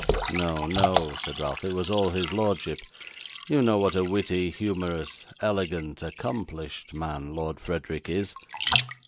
'No, no,' said Ralph; 'it was all his lordship. You know what a witty, humorous, elegant, accomplished man Lord Frederick is.